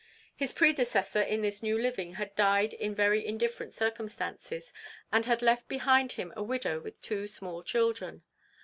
"His predecessor in this new living had died in very indifferent circumstances, and had left behind him a widow with two small children.